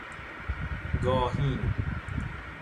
گاهین